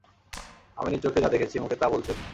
আমি নিজ চোখে যা দেখেছি মুখে তা বলছি।